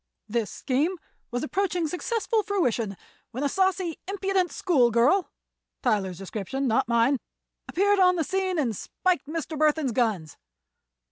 This scheme was approaching successful fruition when a saucy, impudent schoolgirl—Tyler's description, not mine—appeared on the scene and spiked Mr. Burthon's guns.